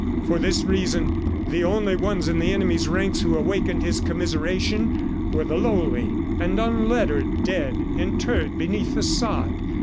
For this reason, the only ones in the enemy's ranks who awakened his commiseration were the lowly and unlettered dead interred beneath the sod.